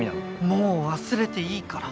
もう忘れていいから。